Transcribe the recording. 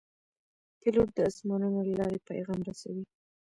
پیلوټ د آسمانونو له لارې پیغام رسوي.